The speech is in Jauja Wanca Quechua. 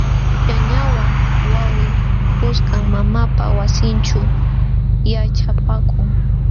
Ñañawan wawqii kuskam mamaapa wasinćhu yaćhapaakun.